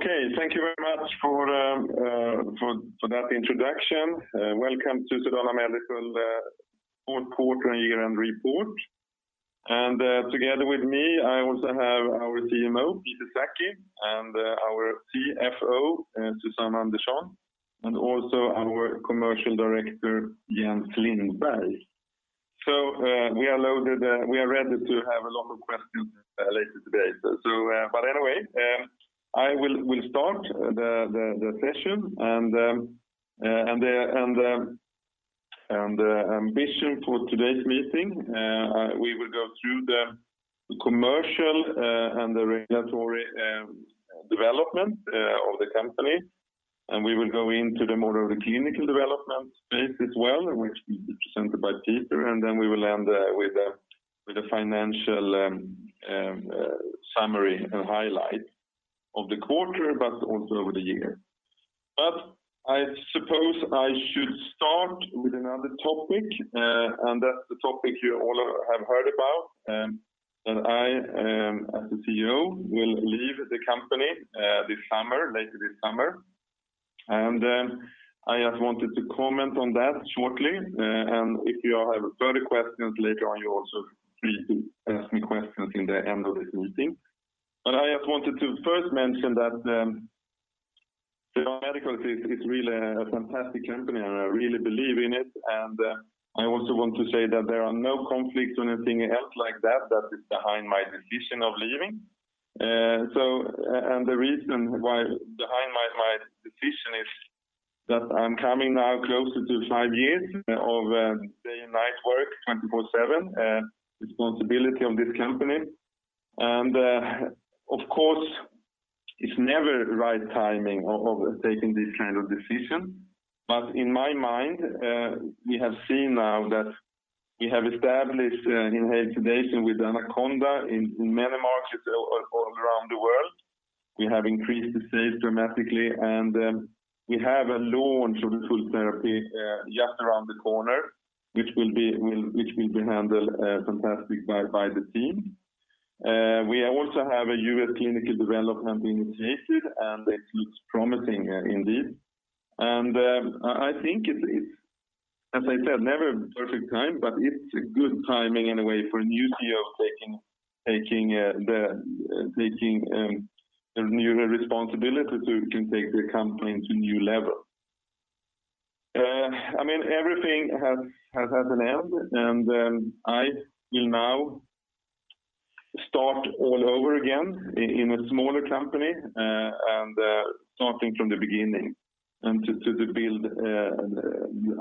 Okay, thank you very much for that introduction. Welcome to Sedana Medical fourth quarter and year-end report. Together with me, I also have our CMO, Peter Sackey, and our CFO, Susanne Andersson, and also our commercial director, Jens Lindberg. We are ready to have a lot of questions later today. Anyway, I will start the session. The ambition for today's meeting, we will go through the commercial and the regulatory development of the company, and we will go into the more of the clinical development space as well, which will be presented by Peter. Then we will end with the financial summary and highlight of the quarter, but also over the year. I suppose I should start with another topic, and that's the topic you all have heard about. That I, as the CEO, will leave the company later this summer. I just wanted to comment on that shortly. If you have further questions later on, you're also free to ask me questions at the end of this meeting. I just wanted to first mention that Sedana Medical is really a fantastic company, and I really believe in it. I also want to say that there are no conflicts or anything else like that that is behind my decision of leaving. The reason behind my decision is that I'm coming now closer to five years of day and night work, 24/7, responsibility of this company. Of course, it's never right timing of taking this kind of decision. In my mind, we have seen now that we have established inhaled sedation with AnaConDa in many markets all around the world. We have increased the sales dramatically, and we have a launch of the full therapy just around the corner, which will be handled fantastic by the team. We also have a U.S. clinical development being initiated, and it looks promising indeed. I think it's, as I said, never a perfect time, but it's a good timing anyway for a new CEO taking the new responsibility to can take the company to new level. Everything has an end, and I will now start all over again in a smaller company, and starting from the beginning, and to build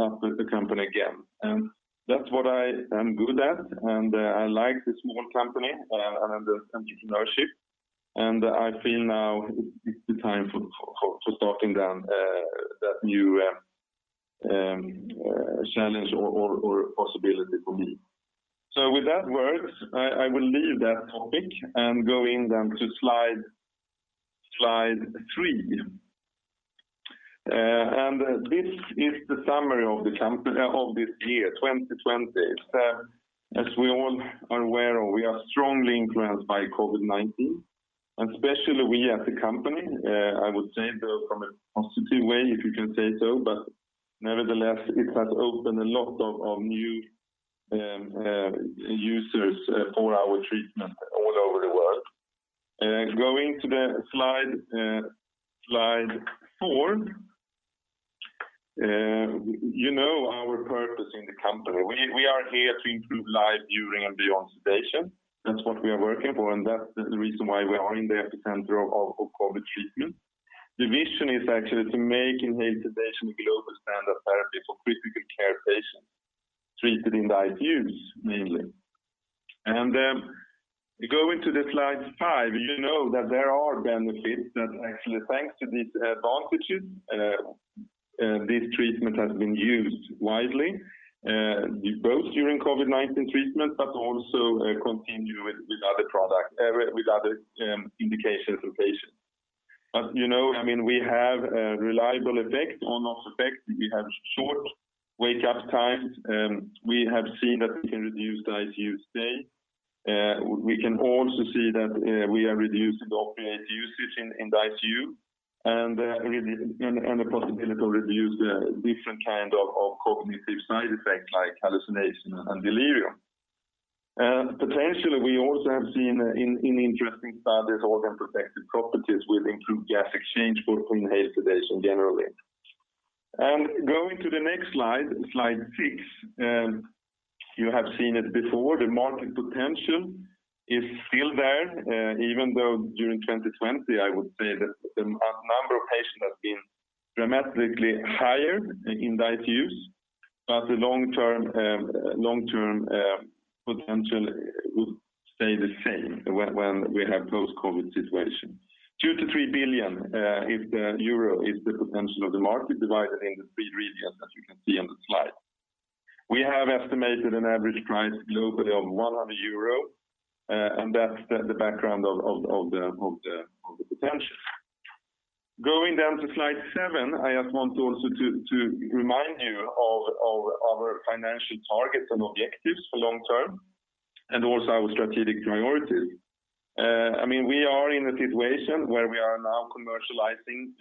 up the company again. That's what I am good at, and I like the small company and the entrepreneurship. I feel now it's the time for starting that new challenge or possibility for me. With that words, I will leave that topic and go in then to slide three. This is the summary of this year, 2020. As we all are aware of, we are strongly influenced by COVID-19, and especially we as a company, I would say, though, from a positive way, if you can say so. Nevertheless, it has opened a lot of new users for our treatment all over the world. Going to the slide four. You know our purpose in the company. We are here to improve life during and beyond sedation. That's what we are working for, and that's the reason why we are in the epicenter of COVID treatment. The vision is actually to make inhaled sedation a global standard therapy for critical care patients treated in the ICUs mainly. Going to the slide five, you know that there are benefits that actually, thanks to these advantages this treatment has been used widely, both during COVID-19 treatment, but also continue with other indications of patients. We have a reliable effect, on/off effect. We have short wake-up times. We have seen that we can reduce the ICU stay. We can also see that we are reducing the opioid usage in the ICU, and the possibility to reduce different kind of cognitive side effects like hallucination and delirium. Potentially, we also have seen in interesting studies organ protective properties with improved gas exchange for inhaled sedation generally. Going to the next slide six. You have seen it before. The market potential is still there, even though during 2020, I would say that the number of patients has been dramatically higher in the ICUs. The long-term potential will stay the same when we have post-COVID situation. 2 billion-3 billion euro is the potential of the market divided into three regions as you can see on the slide. We have estimated an average price globally of 100 euro, and that's the background of the potential. Going down to slide seven, I just want also to remind you of our financial targets and objectives for long term and also our strategic priorities. We are in a situation where we are now commercializing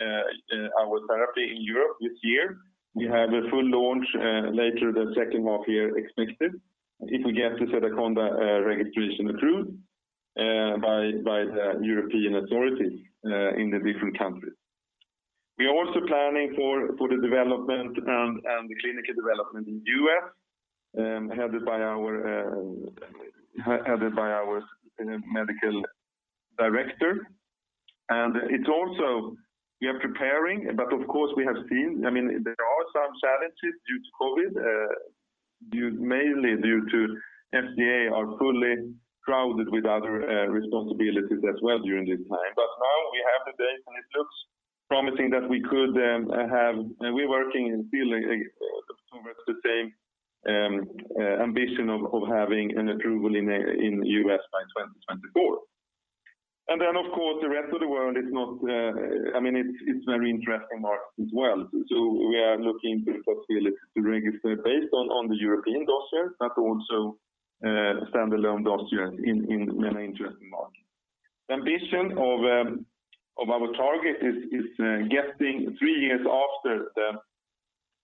our therapy in Europe this year. We have a full launch later the second half year expected if we get the Sedaconda registration approved by the European authorities in the different countries. We are also planning for the development and the clinical development in the U.S. headed by our medical director. We are preparing. Of course, we have seen, there are some challenges due to COVID-19, mainly due to FDA are fully crowded with other responsibilities as well during this time. Now we have the data and it looks promising that we're working and still the same ambition of having an approval in the U.S. by 2024. Of course, the rest of the world, it's very interesting markets as well. We are looking to possibly to register based on the European dossier, but also a standalone dossier in many interesting markets. The ambition of our target is getting three years after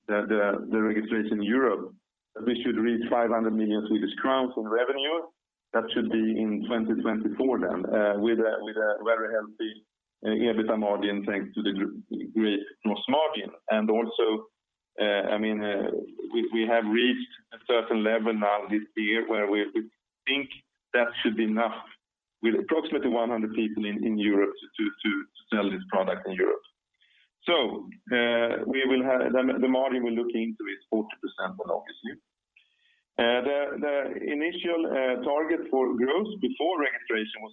the registration in Europe, that we should reach 500 million Swedish crowns on revenue. That should be in 2024 then, with a very healthy EBITDA margin, thanks to the great gross margin. Also, we have reached a certain level now this year where we think that should be enough with approximately 100 people in Europe to sell this product in Europe. The margin we're looking into is 40% on operations. The initial target for growth before registration was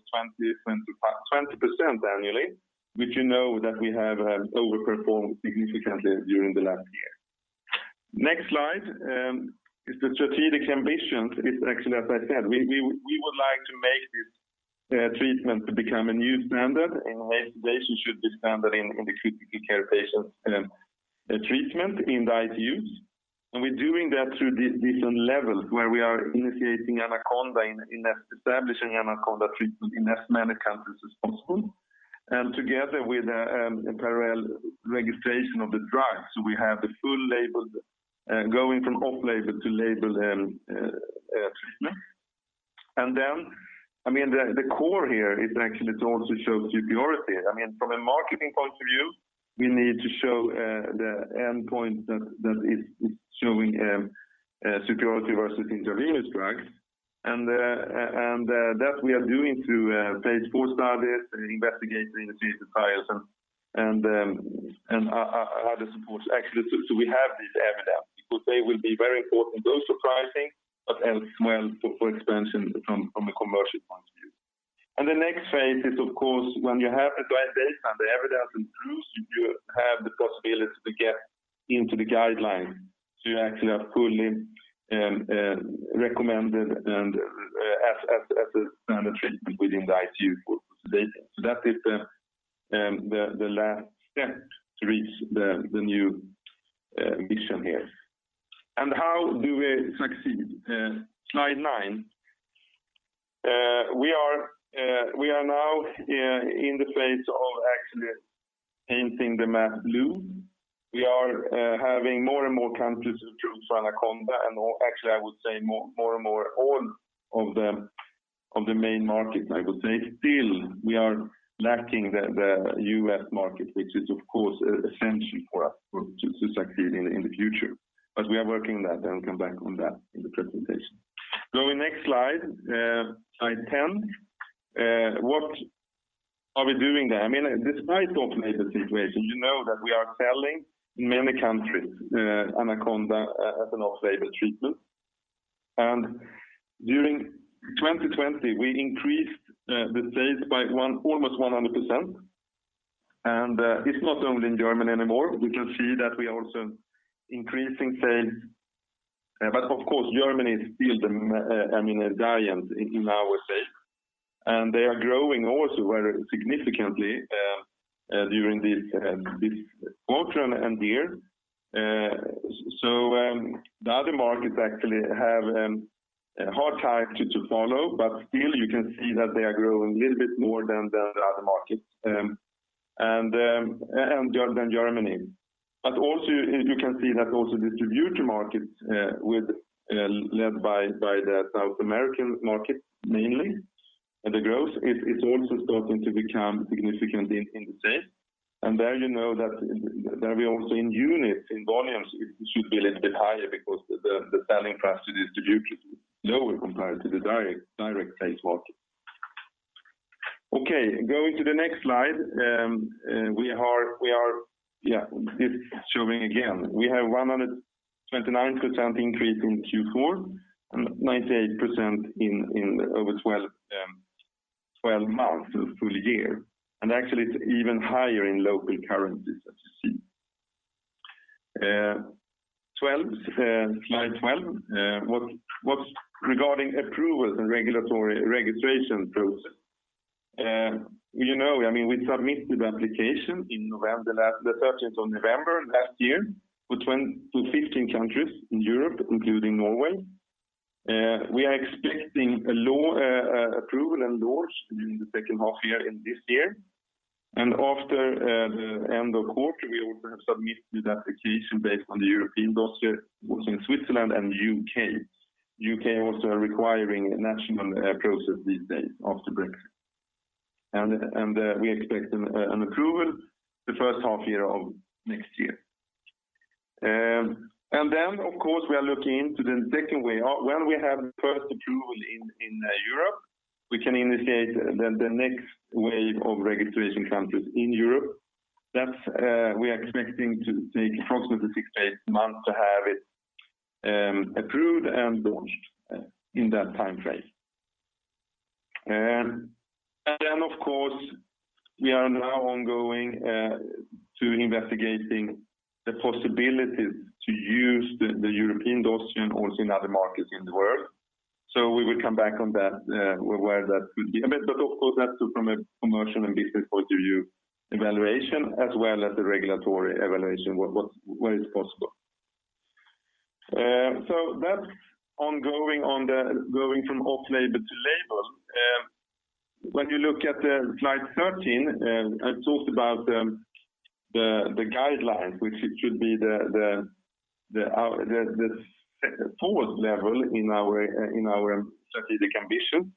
20% annually, which you know that we have overperformed significantly during the last year. Next slide is the strategic ambitions is actually, as I said, we would like to make this treatment become a new standard and late-stage should be standard in the critical care patients treatment in the ICUs. We're doing that through different levels where we are initiating AnaConDa in establishing AnaConDa treatment in as many countries as possible, and together with a parallel registration of the drug. We have the full label going from off-label to label treatment. The core here is actually to also show superiority. From a marketing point of view, we need to show the endpoint that is showing superiority versus intravenous drugs. That we are doing through phase IV studies and investigating the phase trials and other supports. We have this evidence because they will be very important also pricing, but else well for expansion from a commercial point of view. The next phase is, of course, when you have the right data and the evidence and proofs, you have the possibility to get into the guidelines. You actually are fully recommended and as a standard treatment within the ICU data. That is the last step to reach the new ambition here. How do we succeed? Slide nine. We are now in the phase of actually painting the map blue. We are having more and more countries choose for AnaConDa and actually, I would say more and more all of the main markets, I would say. We are lacking the U.S. market, which is, of course, essential for us to succeed in the future. We are working on that and we'll come back on that in the presentation. Going next slide 10. What are we doing there? This is quite often the situation. You know that we are selling in many countries, AnaConDa as an off-label treatment. During 2020, we increased the sales by almost 100%. It's not only in Germany anymore. You can see that we are also increasing sales. Of course, Germany is still the giant in, I would say. They are growing also very significantly during this quarter and year. The other markets actually have a hard time to follow, but still you can see that they are growing a little bit more than the other markets and than Germany. Also you can see that also distributor markets led by the South American market mainly, the growth is also starting to become significant in the sale. There we also in units, in volumes, it should be a little bit higher because the selling price to the distributor is lower compared to the direct sales market. Going to the next slide. We are showing again. We have 129% increase in Q4 and 98% in over 12 months of full year. Actually it's even higher in local currencies. Slide 12. Regarding approvals and regulatory registration process. We submitted the application on the 13th November last year to 15 countries in Europe, including Norway. We are expecting approval and launch during the second half-year in this year. After the end of quarter, we will have submitted application based on the European dossier, both in Switzerland and U.K. U.K. also are requiring a national process these days after Brexit. We expect an approval the first half-year of next year. Of course, we are looking into the second wave. When we have first approval in Europe, we can initiate the next wave of registration countries in Europe. That we are expecting to take approximately six to eight months to have it approved and launched in that time frame. Of course, we are now ongoing to investigating the possibility to use the European dossier also in other markets in the world. We will come back on that, where that would be. Of course, that's from a commercial and business point of view evaluation as well as the regulatory evaluation, where is possible. That's ongoing from off-label to label. When you look at the slide 13, I talked about the guidelines, which it should be the fourth level in our strategic ambition.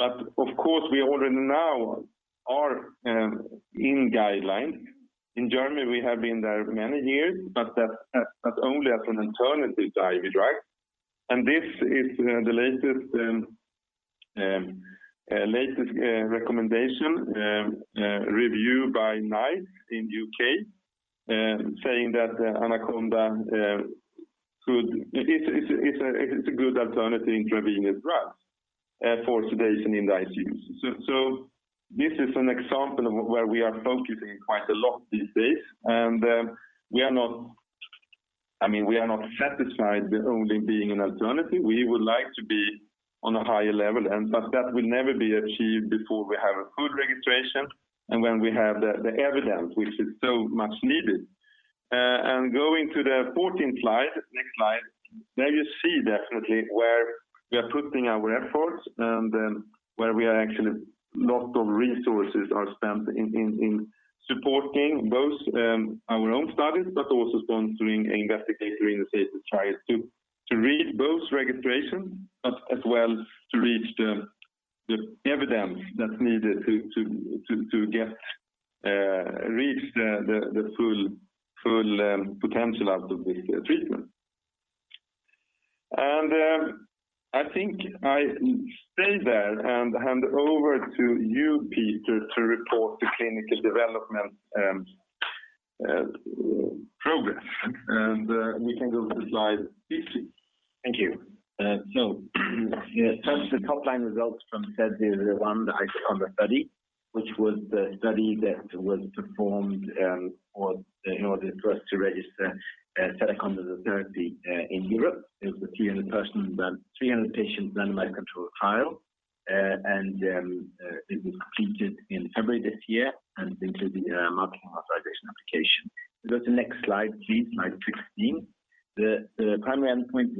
Of course, we already now are in guideline. In Germany, we have been there many years, but only as an alternative IV drug. This is the latest recommendation review by NICE in U.K., saying that AnaConDa, it's a good alternative intravenous drug for sedation in the ICUs. This is an example where we are focusing quite a lot these days, and we are not satisfied with only being an alternative. We would like to be on a higher level, but that will never be achieved before we have a full registration and when we have the evidence, which is so much needed. Going to the 14th slide, next slide. There you see definitely where we are putting our efforts and where we are actually lot of resources are spent in supporting both our own studies, but also sponsoring investigator-initiated trials to reach both registration but as well to reach the evidence that's needed to reach the full potential out of this treatment. I think I stay there and hand over to you, Peter, to report the clinical development progress. We can go to slide 15. Thank you. First, the top-line results from SED001, the IsoConDa study, which was the study that was performed in order for us to register Sedana as a therapy in Europe. It was a 300-patient randomized controlled trial, and it was completed in February this year and included a Marketing Authorization Application. Go to the next slide, please, slide 15. The primary endpoint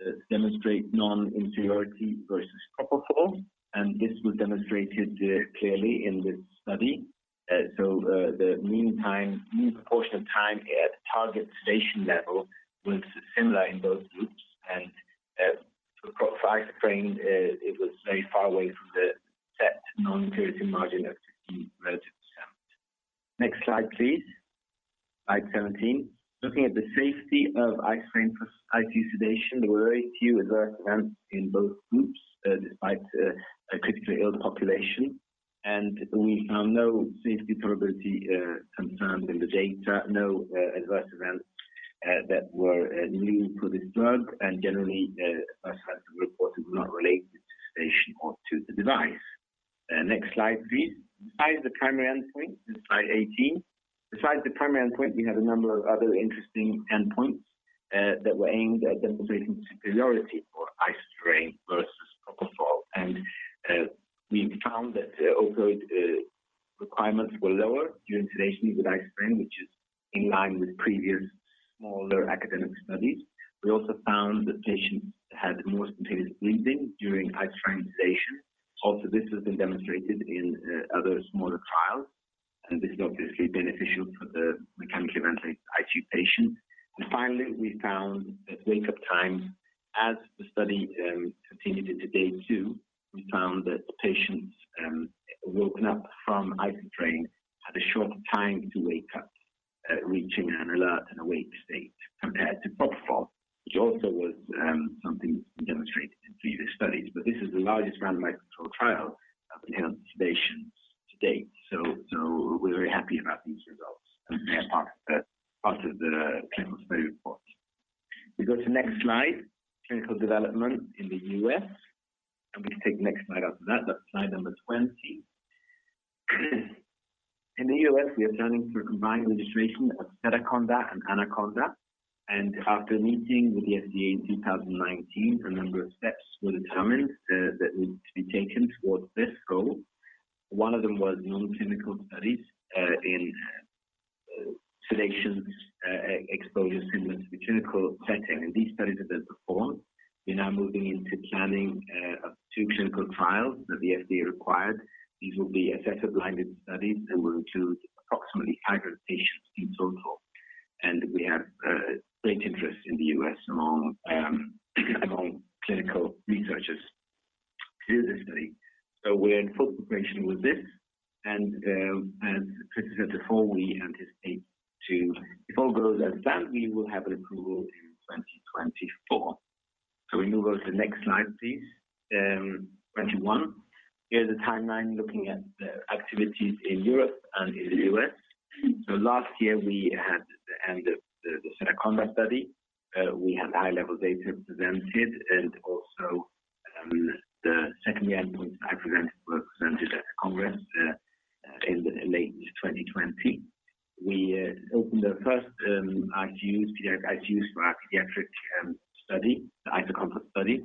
was to demonstrate non-inferiority versus propofol, and this was demonstrated clearly in this study. The mean proportion of time at target sedation level was similar in both groups. For isoflurane, it was very far away from the set non-inferiority margin of 15 relative %. Next slide, please. Slide 17. Looking at the safety of isoflurane for ICU sedation, there were very few adverse events in both groups, despite a critically ill population. We found no safety tolerability concerns in the data, no adverse events that were linked to this drug, and generally, adverse events reported were not related to sedation or to the device. Next slide, please. Besides the primary endpoint, slide 18. Besides the primary endpoint, we had a number of other interesting endpoints that were aimed at demonstrating superiority for isoflurane versus propofol. We found that opioid requirements were lower during sedation with isoflurane, which is in line with previous smaller academic studies. We also found that patients had more spontaneous breathing during isoflurane sedation. Also, this has been demonstrated in other smaller trials, and this is obviously beneficial for the steps were determined that would be taken towards this goal. One of them was non-clinical studies in selection exposure similar to the clinical setting, and these studies have been performed. We're now moving into planning two clinical trials that the FDA required. These will be assessor blinded studies and will include approximately 100 patients in total. We have great interest in the U.S. among clinical researchers to do the study. We're in full preparation with this, and as Christer said before, if all goes as planned, we will have an approval in 2024. We now go to the next slide, please. 21. Here's a timeline looking at the activities in Europe and in the U.S. Last year we had the end of the Sedaconda study. We had high-level data presented and also the secondary endpoints I presented were presented at the congress in late 2020. We opened the first ICUs, pediatric ICUs for our pediatric study, the IsoCOMFORT study.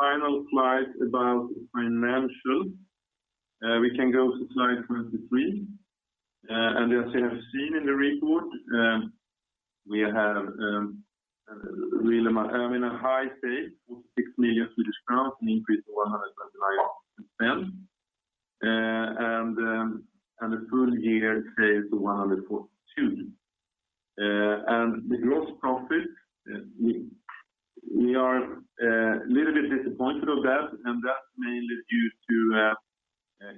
final slides about financial. We can go to slide 23. As you have seen in the report, we have a high pace of 6 million, an increase of 129% spent. A full year sales of 142. The gross profit we are a little bit disappointed of that's mainly due to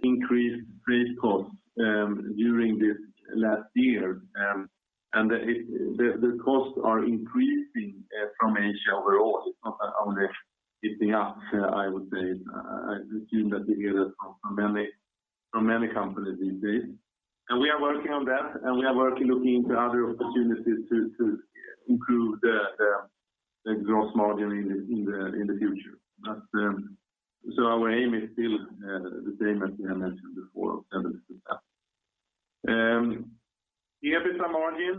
increased freight costs during this last year. The costs are increasing from Asia overall. It's not only hitting us, I would say. I assume that we hear that from many companies these days. We are working on that, we are working looking into other opportunities to improve the gross margin in the future. Our aim is still the same as we have mentioned before of 76%. The EBITDA margin,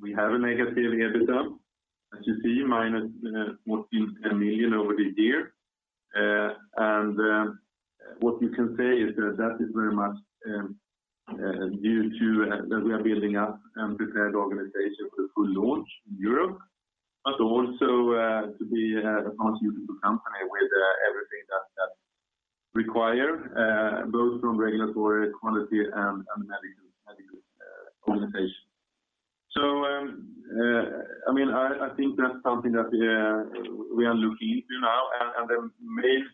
we have a negative EBITDA, as you see, minus 14.10 million over the year. What you can say is that is very much due to that we are building up and prepared the organization for full launch in Europe, but also to be a pharmaceutical company with everything that is required both from regulatory quality and medical organization. I think that is something that we are looking into now and the main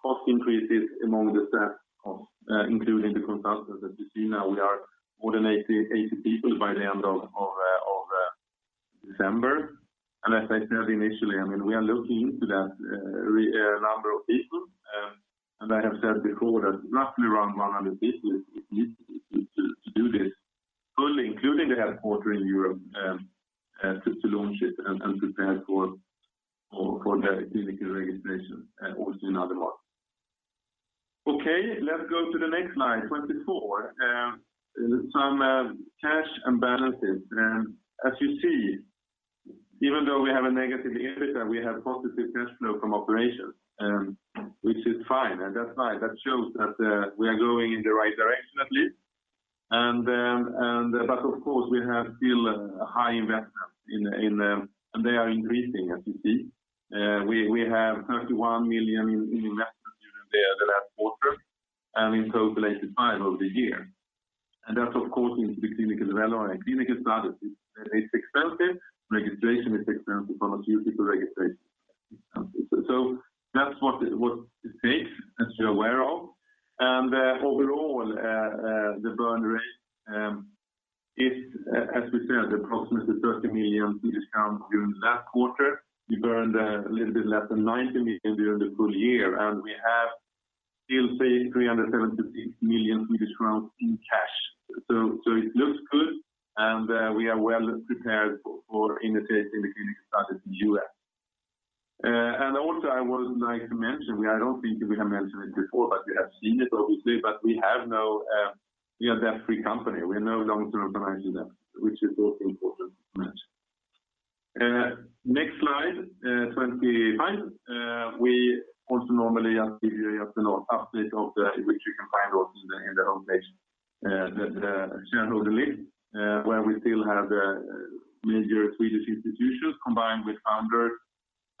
cost increases among the staff of including the consultants that you see now. We are more than 80 people by the end of December. As I said initially, we are looking into that number of people. I have said before that roughly around 100 people is needed to do this fully, including the headquarter in Europe, just to launch it and prepare for the clinical registration also in other parts. Okay, let's go to the next slide, 24. Some cash and balances. As you see, even though we have a negative EBITDA, we have positive cash flow from operations, which is fine. That's fine. That shows that we are going in the right direction at least. Of course, we have still high investments, and they are increasing as you see. We have 31 million in investment during the last quarter and in total 85 million over the year. That of course into the clinical development, clinical studies. It's expensive. Regulation is expensive, pharmaceutical regulation. That's what it takes, as you're aware of. Overall, the burn rate. As we said, approximately 30 million Swedish crowns discount during the last quarter. We burned a little bit less than 90 million during the full year, and we have still saved 376 million Swedish crowns in cash. It looks good, and we are well prepared for initiating the clinical study in the U.S. Also I would like to mention, I don't think we have mentioned it before, but we have seen it obviously, but we are debt-free company. We have no long-term financial debt, which is also important to mention. Next slide 25. We also normally give you an update, which you can find also in the homepage, the shareholder list, where we still have the major Swedish institutions combined with founders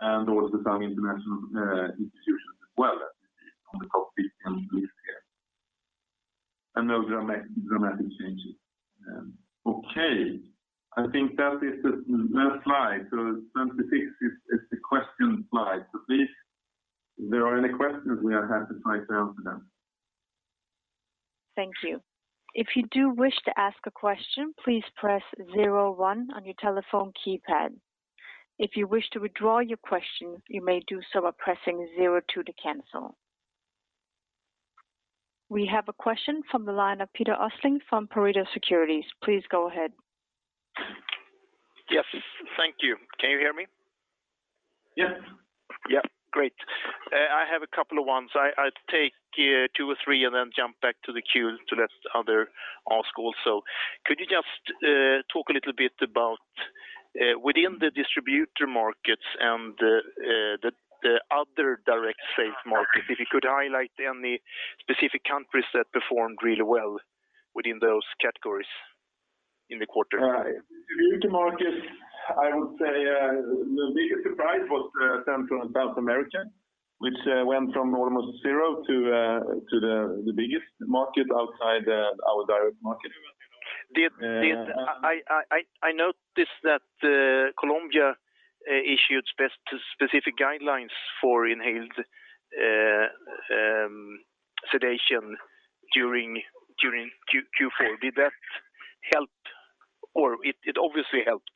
and also some international institutions as well, as you see on the top 10 list here. No dramatic changes. Okay. I think that is the last slide. 26 is the question slide. Please, if there are any questions, we are happy to try to answer them. Thank you. If you do wish to ask a question, please press zero one on your telephone keypad. If you wish to withdraw your question, you may do so by pressing zero two to cancel. We have a question from the line of Peter Östling from Pareto Securities. Please go ahead. Yes. Thank you. Can you hear me? Yes. Yeah. Great. I have a couple of ones. I'll take two or three and then jump back to the queue to let other ask also. Could you just talk a little bit about within the distributor markets and the other direct sales markets, if you could highlight any specific countries that performed really well within those categories in the quarter? Distributor markets, I would say the biggest surprise was Central and South America, which went from almost zero to the biggest market outside our direct market. I noticed that Colombia issued specific guidelines for inhaled sedation during Q4. Did that help? It obviously helped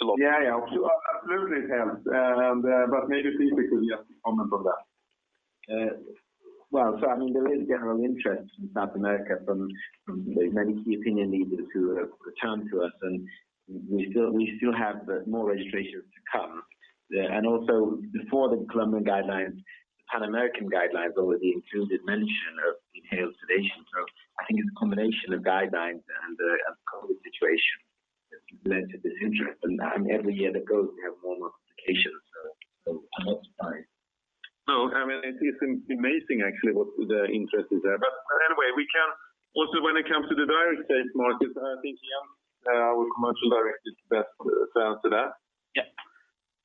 a lot. Yeah. Absolutely, it helped. Maybe Peter could just comment on that. There is general interest in South America from the many key opinion leaders who have returned to us, and we still have more registrations to come. Before the Colombian guidelines, the Pan-American guidelines already included mention of inhaled sedation. I think it's a combination of guidelines and the COVID-19 situation that led to this interest. Every year that goes, we have more modifications. I'm optimistic. It is amazing actually what the interest is there. Anyway, also when it comes to the direct sales market, I think Jens, our commercial director, is best to answer that. Yeah.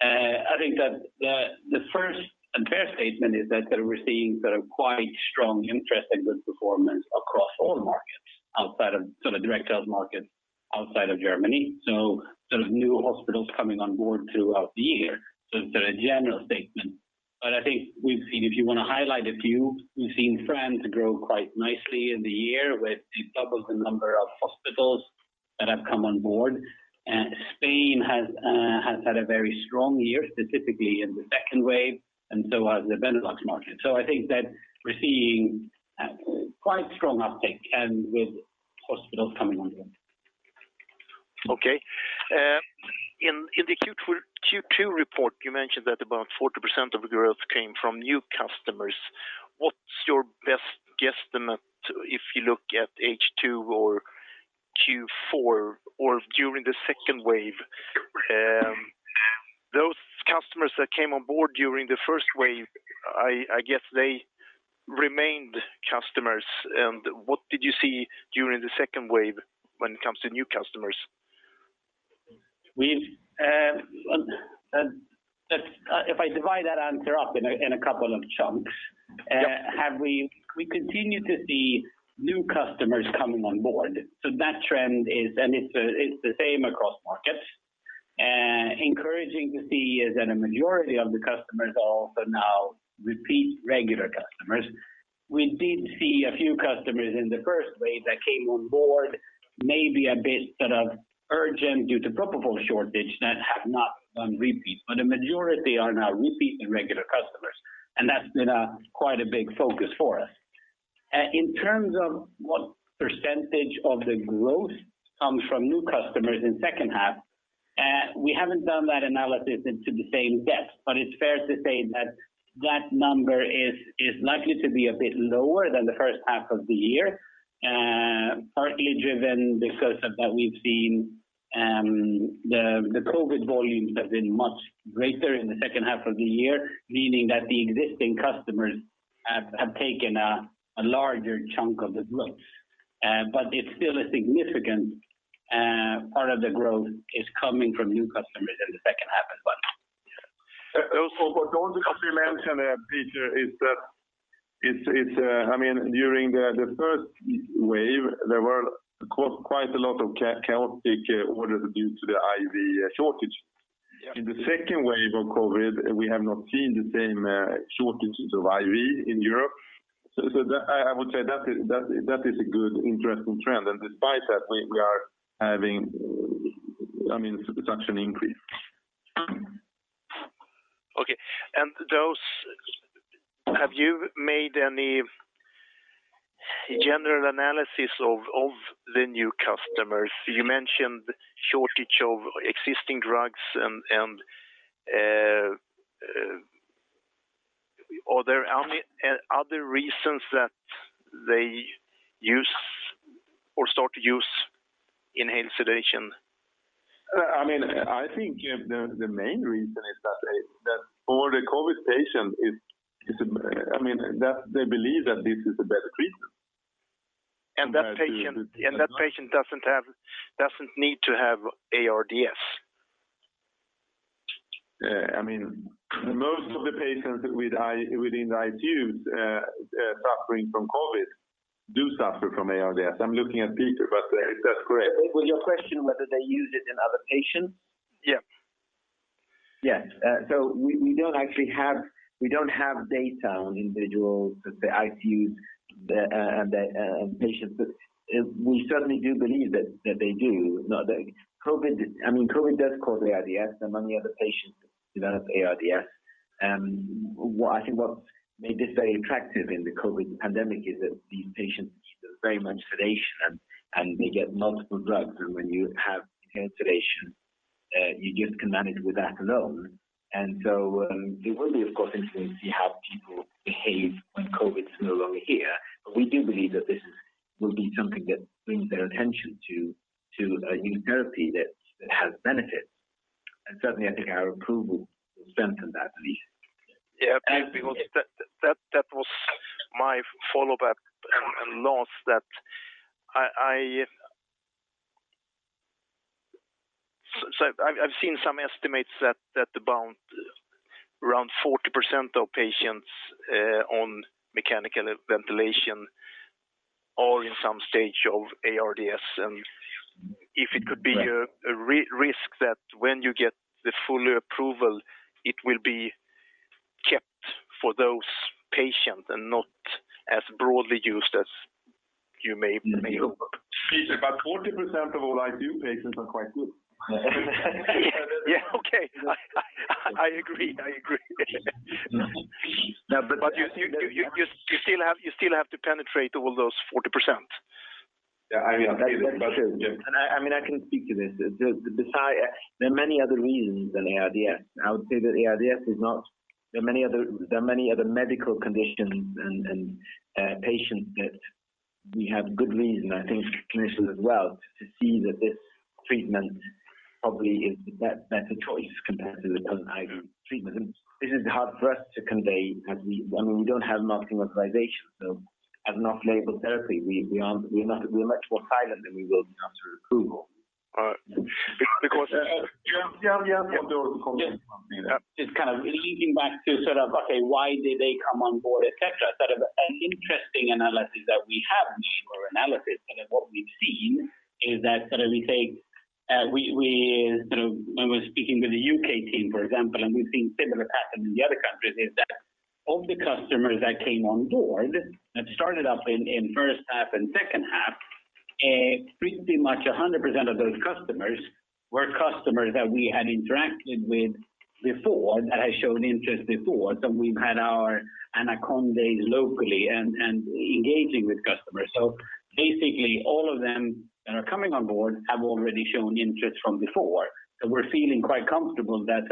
I think that the first and fair statement is that we're seeing quite strong interest and good performance across all markets outside of direct sales markets outside of Germany. Sort of new hospitals coming on board throughout the year. It's a general statement. I think if you want to highlight a few, we've seen France grow quite nicely in the year with the double the number of hospitals that have come on board. Spain has had a very strong year, specifically in the second wave, and so has the Benelux market. I think that we're seeing quite strong uptake and with hospitals coming on board. Okay. In the Q2 report, you mentioned that about 40% of the growth came from new customers. What's your best guesstimate if you look at H2 or Q4 or during the second wave? Those customers that came on board during the first wave, I guess they remained customers. What did you see during the second wave when it comes to new customers? If I divide that answer up in a couple of chunks. We continue to see new customers coming on board. That trend is the same across markets. Encouraging to see is that a majority of the customers are also now repeat regular customers. We did see a few customers in the first wave that came on board maybe a bit sort of urgent due to propofol shortage that have not gone repeat. The majority are now repeat and regular customers, and that's been quite a big focus for us. In terms of what percentage of the growth comes from new customers in second half, we haven't done that analysis into the same depth, but it's fair to say that that number is likely to be a bit lower than the first half of the year, partly driven because of that we've seen the COVID-19 volumes have been much greater in the second half of the year, meaning that the existing customers have taken a larger chunk of the growth. But still a significant part of the growth is coming from new customers in the second half as well. Also what I want to complement Peter is that during the first wave, there were quite a lot of chaotic orders due to the IV shortage. In the second wave of COVID, we have not seen the same shortages of IV in Europe. I would say that is a good interesting trend. Despite that, we are having production increase. Okay. Have you made any general analysis of the new customers? You mentioned shortage of existing drugs and are there reasons that they use or start to use inhaled sedation? I think the main reason is that for the COVID patient, they believe that this is a better treatment. That patient doesn't need to have ARDS. Most of the patients within the ICUs suffering from COVID do suffer from ARDS. I'm looking at Peter, but that's correct. Was your question whether they use it in other patients? Yes. Yes. We don't have data on individuals, the ICUs, and the patients, but we certainly do believe that they do. COVID does cause ARDS, and many other patients develop ARDS. I think what made this very attractive in the COVID pandemic is that these patients need very much sedation, and they get multiple drugs, and when you have inhalation, you just can manage with that alone. It will be, of course, interesting to see how people behave when COVID is no longer here. We do believe that this will be something that brings their attention to a new therapy that has benefits. I think our approval will strengthen that at least. Yeah. That was my follow-up and last. I've seen some estimates that around 40% of patients on mechanical ventilation are in some stage of ARDS, and if it could be a risk that when you get the full approval, it will be kept for those patients and not as broadly used as you may hope. Peter, 40% of all ICU patients are quite good. Yeah. Okay. I agree. You still have to penetrate all those 40%. Yeah. I see. That is true. I can speak to this. There are many other reasons than ARDS. I would say that there are many other medical conditions and patients that we have good reason, I think clinicians as well, to see that this treatment probably is the better choice compared to the other IV treatment. This is hard for us to convey as we don't have marketing authorization. As an off-label therapy, we're much more silent than we will be after approval. Because the question. Yeah. Go on. Just kind of leading back to, okay, why did they come on board? An interesting analysis that we have made, or analysis, what we've seen is that, when we're speaking with the U.K. team, for example, and we've seen similar patterns in the other countries, is that of the customers that came on board, that started off in first half and second half, pretty much 100% of those customers were customers that we had interacted with before, that had shown interest before. We've had our AnaConDa days locally, and engaging with customers. Basically, all of them that are coming on board have already shown interest from before. We're feeling quite comfortable that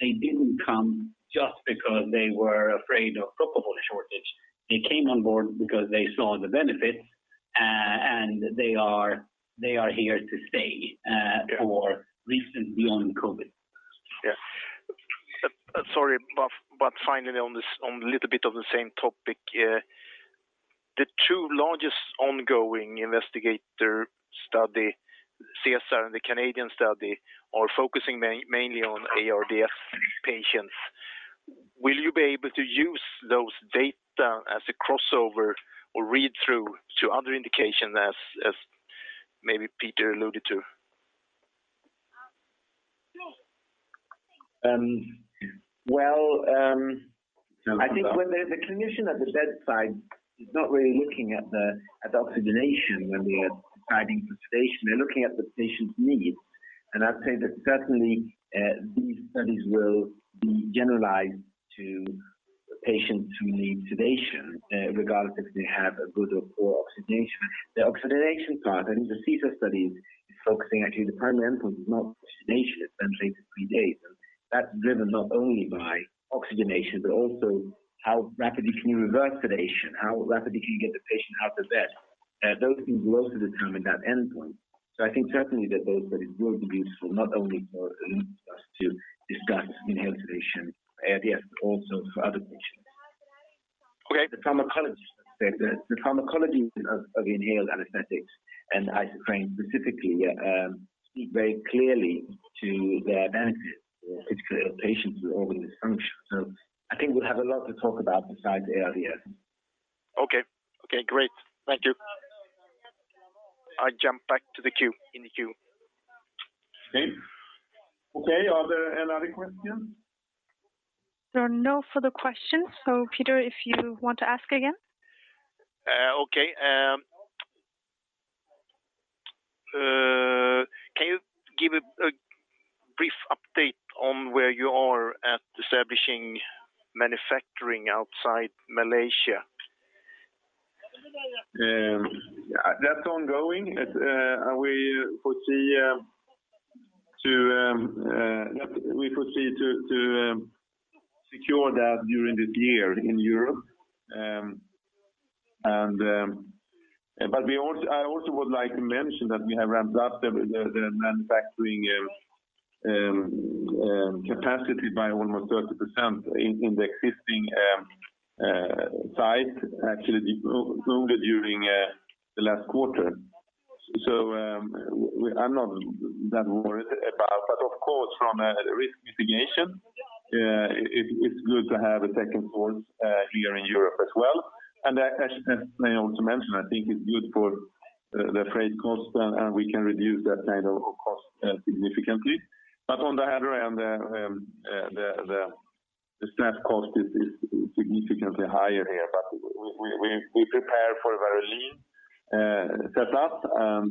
they didn't come just because they were afraid of propofol shortage. They came on board because they saw the benefits, and they are here to stay for reasons beyond COVID. Yeah. Sorry, finally on this, on a little bit of the same topic. The two largest ongoing investigator study, SESAR and the Canadian study, are focusing mainly on ARDS patients. Will you be able to use those data as a crossover or read-through to other indications as maybe Peter alluded to? Well, I think when the clinician at the bedside is not really looking at the oxygenation when we are deciding for sedation, they're looking at the patient's needs. I'd say that certainly, these studies will be generalized to patients who need sedation, regardless if they have a good or poor oxygenation. The oxygenation part, and the SESAR study is focusing actually, the primary endpoint is not oxygenation. It's ventilator-free days. That's driven not only by oxygenation but also how rapidly can you reverse sedation, how rapidly can you get the patient out of bed. Those things will also determine that endpoint. I think certainly that those studies will be useful not only for us to discuss inhaled sedation, ARDS, but also for other patients. Okay. The pharmacology of inhaled anesthetics, and isoflurane specifically, speak very clearly to their benefit for critically ill patients with organ dysfunction. I think we'll have a lot to talk about besides ARDS. Okay. Great. Thank you. I jump back in the queue. Okay. Are there any other questions? There are no further questions. Peter, if you want to ask again. Okay. Can you give a brief update on where you are at establishing manufacturing outside Malaysia? That's ongoing. We foresee to secure that during this year in Europe. I also would like to mention that we have ramped up the manufacturing capacity by almost 30% in the existing site, actually only during the last quarter. I'm not that worried about it. Of course, from a risk mitigation, it's good to have a second source here in Europe as well. As I also mentioned, I think it's good for the freight cost, and we can reduce that kind of cost significantly. On the other hand, the staff cost is significantly higher here. We prepare for a very lean setup and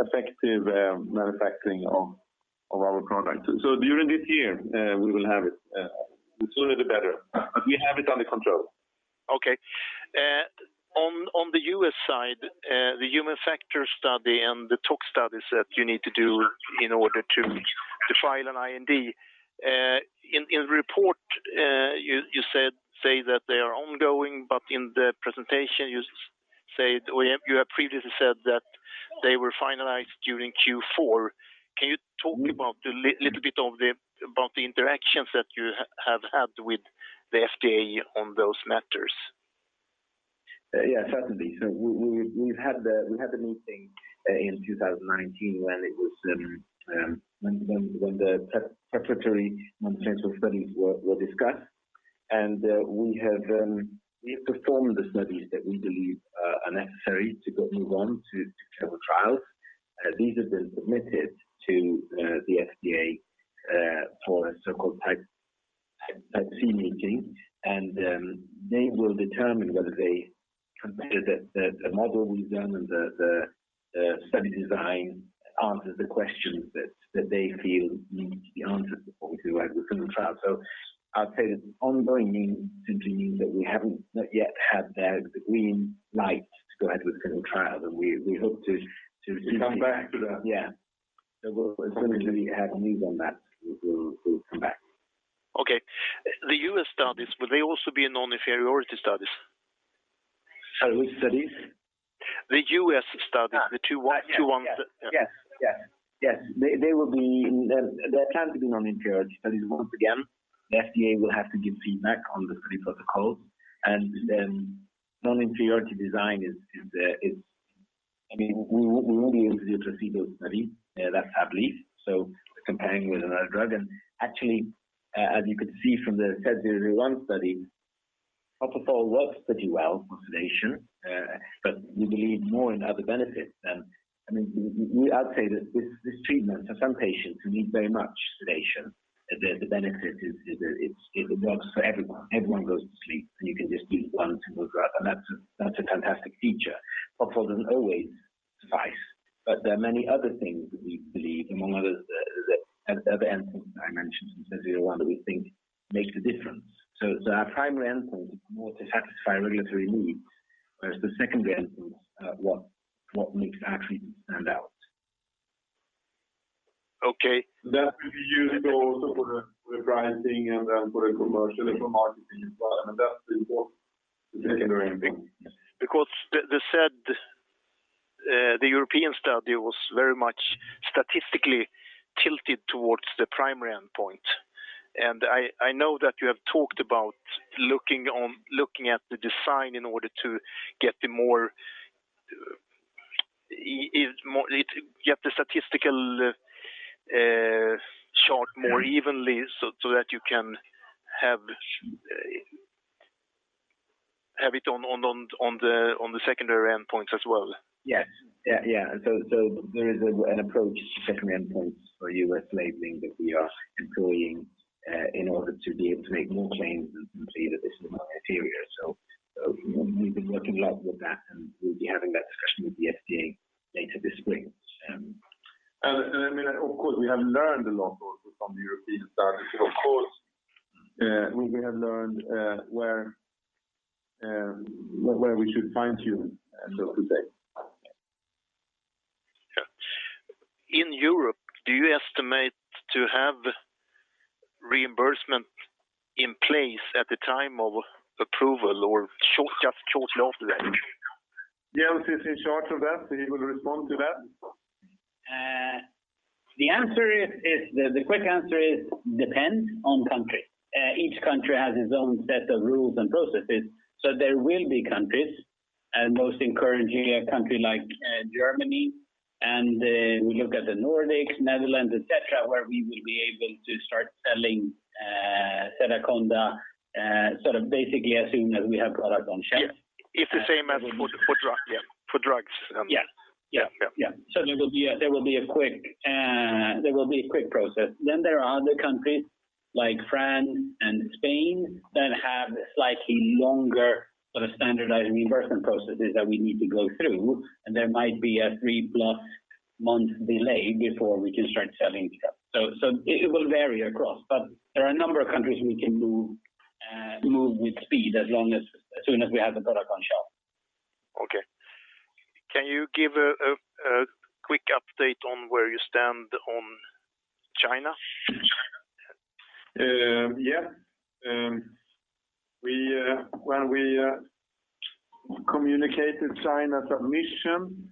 effective manufacturing of our products. During this year, we will have it. The sooner the better. We have it under control. Okay. On the U.S. side, the human factor study and the tox studies that you need to do in order to file an IND. In the report, you say that they are ongoing, but in the presentation, you have previously said that they were finalized during Q4. Can you talk a little bit about the interactions that you have had with the FDA on those matters? Yeah, certainly. We had the meeting in 2019 when the preparatory manufacturing studies were discussed. We have performed the studies that we believe are necessary to move on to clinical trials. These have been submitted to the FDA for a so-called Type C meeting, and they will determine whether they consider that the model we've done and the study design answers the questions that they feel need to be answered before we do our clinical trial. I'd say that the ongoing means simply means that we haven't yet had the green light to go ahead with clinical trial. To come back to that. Yeah. As soon as we have news on that, we'll come back. Okay. The U.S. studies, will they also be non-inferiority studies? Sorry, which studies? The U.S. studies. The two ones. Yes. They plan to be non-inferiority studies. Once again, the FDA will have to give feedback on the study protocol. Non-inferiority design is. We won't be able to do a placebo study, that's how it believes. Comparing with another drug. Actually, as you could see from the SED001 study, propofol works pretty well for sedation. We believe more in other benefits. I'd say that this treatment for some patients who need very much sedation, the benefit is it works for everyone. Everyone goes to sleep, and you can just use one single drug, and that's a fantastic feature. Propofol doesn't always suffice. There are many other things that we believe, among others, the other endpoint that I mentioned in SED001 that we think makes a difference. There are primary endpoints, more to satisfy regulatory needs. The secondary endpoint is what makes it actually stand out. Okay. That will be used also for the pricing and then for the commercial and for marketing as well. That's important. Very important. The European study was very much statistically tilted towards the primary endpoint. I know that you have talked about looking at the design in order to get the statistical chart more evenly so that you can have it on the secondary endpoints as well. Yes. There is an approach, secondary endpoints for U.S. labeling, that we are employing in order to be able to make more claims and say that this is non-inferior. We've been working a lot with that, and we'll be having that discussion with the FDA later this spring. Of course, we have learned a lot also from the European studies. Of course, we have learned where we should fine-tune, so to say. Yeah. In Europe, do you estimate to have reimbursement in place at the time of approval or just shortly after that? Jens is in charge of that, so he will respond to that. The quick answer is it depends on country. Each country has its own set of rules and processes. There will be countries, and most encouragingly, a country like Germany, and we look at the Nordics, Netherlands, et cetera, where we will be able to start selling Sedaconda, basically as soon as we have product on shelf. Yes. It's the same as for drugs. Yes. Yeah. There will be a quick process. There are other countries like France and Spain that have slightly longer standardized reimbursement processes that we need to go through, and there might be a three-plus month delay before we can start selling stuff. It will vary across, but there are a number of countries we can move with speed as soon as we have the product on shelf. Okay. Can you give a quick update on where you stand on China? Yeah. When we communicated China submission,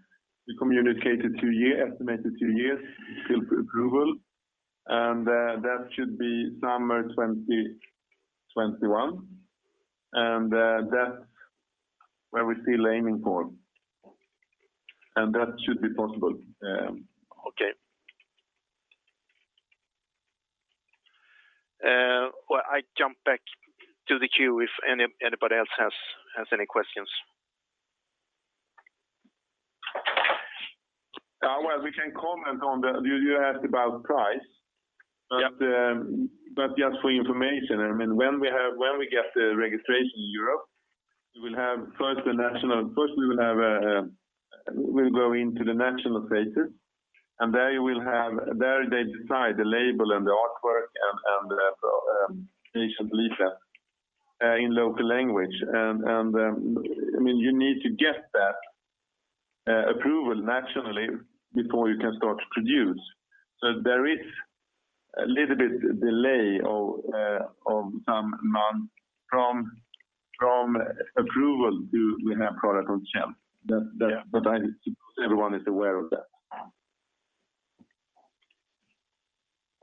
we estimated two years till approval, and that should be summer 2021. That's where we're still aiming for, and that should be possible. Okay. Well, I jump back to the queue if anybody else has any questions. Well, we can comment on You asked about price. Yeah. Just for your information, when we get the registration in Europe, first we will go into the national phases, and there they decide the label and the artwork and the patient leaflet in local language. You need to get that approval nationally before you can start to produce. There is a little bit delay of some months from approval till we have product on shelf. Yeah. I suppose everyone is aware of that.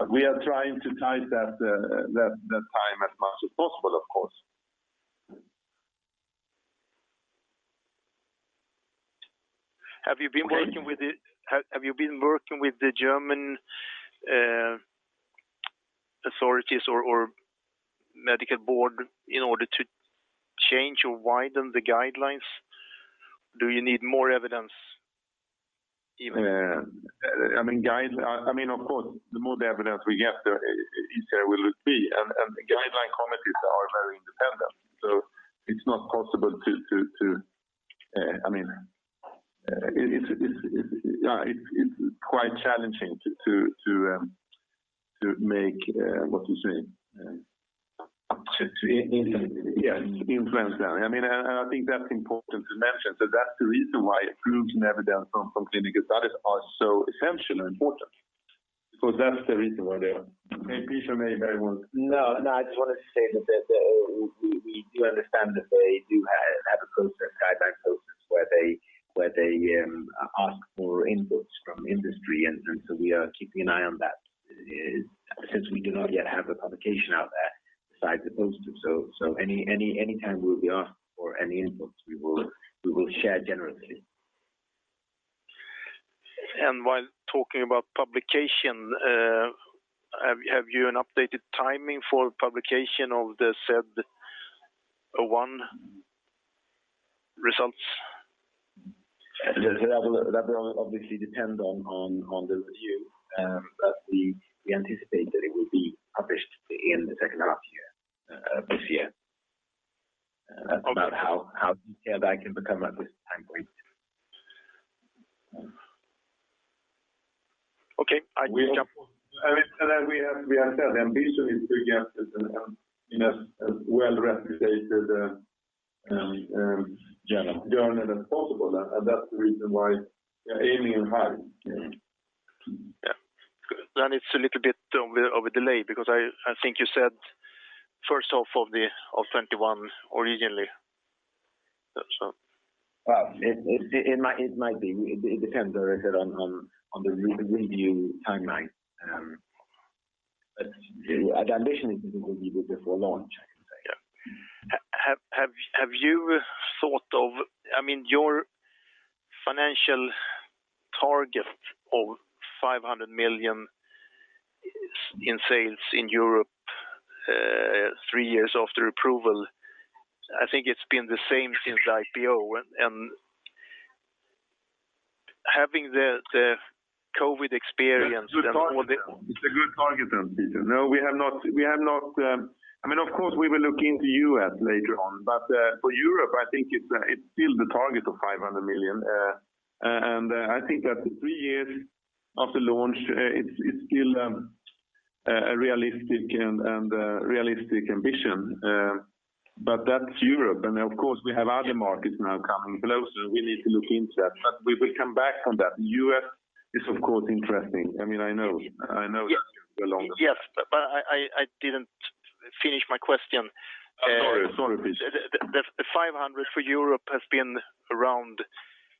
We are trying to tight that time as much as possible, of course. Have you been working with the German authorities or medical board in order to change or widen the guidelines? Do you need more evidence even? Of course, the more the evidence we get, the easier it will be. The guideline committees are very independent, so it's quite challenging to make. To influence. Yes, influence that. I think that's important to mention. That's the reason why proofs and evidence from clinical studies are so essential and important, because that's the reason why they are. Peter, maybe you want- I just wanted to say that we do understand that they do have a process, guideline process, where they ask for inputs from industry, and so we are keeping an eye on that since we do not yet have a publication out there besides the poster. Anytime we will be asked for any inputs, we will share generously. While talking about publication, have you an updated timing for publication of the SED001 results? That will obviously depend on the review, but we anticipate that it will be published in the second half year of this year. Okay. That's about how detailed I can become at this time point. Okay. We have said the ambition is to get it in as well-replicated- Journal Journal as possible. That's the reason why we are aiming high. Yeah. Good. It's a little bit of a delay because I think you said first half of 2021 originally. Well, it might be. It depends on the review timeline. Our ambition is to be with it for launch, I can say. Yeah. Have you thought of your financial target of 500 million in sales in Europe three years after approval? I think it's been the same since IPO, and having the COVID experience. It's a good target then, Peter. No, we have not. Of course, we will look into U.S. later on. For Europe, I think it's still the target of 500 million. I think that the three years after launch, it's still a realistic ambition. That's Europe, and of course, we have other markets now coming closer. We need to look into that, but we will come back from that. U.S. is, of course, interesting. I know that you belong there. Yes. I didn't finish my question. Sorry, please. The 500 million for Europe has been around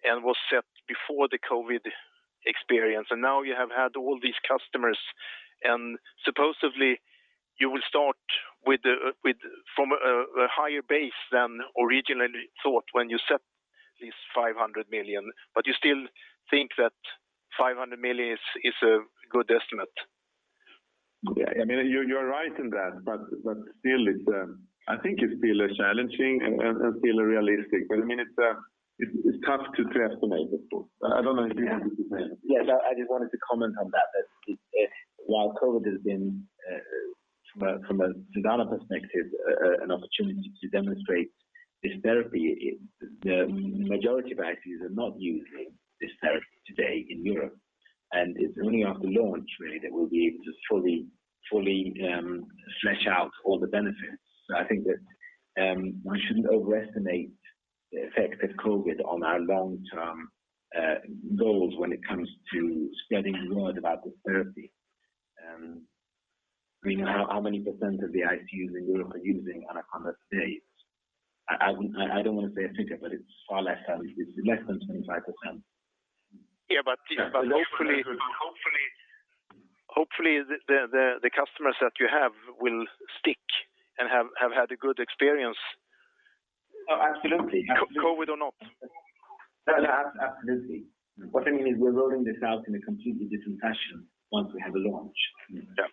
and was set before the COVID-19 experience. Now you have had all these customers, and supposedly you will start from a higher base than originally thought when you set at least 500 million. You still think that 500 million is a good estimate? Yeah. You're right in that, but I think it's still challenging and still realistic, but it's tough to estimate. I don't know if you want to comment. I just wanted to comment on that while COVID has been, from a Sedana perspective, an opportunity to demonstrate this therapy, the majority of ICUs are not using this therapy today in Europe, and it's only after launch, really, that we'll be able to fully flesh out all the benefits. I think that we shouldn't overestimate the effect of COVID on our long-term goals when it comes to spreading the word about this therapy. How many percent of the ICUs in Europe are using AnaConDa today? I don't want to say a figure, but it's far less than that. It's less than 25%. Yeah, hopefully the customers that you have will stick and have had a good experience. Oh, absolutely. COVID or not. Absolutely. What I mean is we're rolling this out in a completely different fashion once we have a launch. Yeah.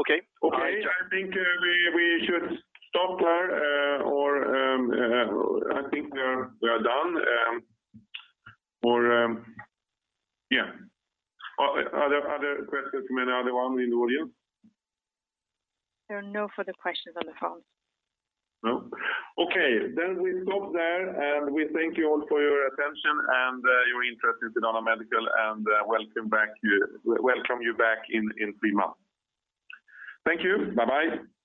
Okay. I think we should stop there. I think we are done. Yeah. Are there other questions from anyone in the audience? There are no further questions on the phone. No? Okay. We stop there, and we thank you all for your attention and your interest in Sedana Medical, and welcome you back in three months. Thank you. Bye-bye.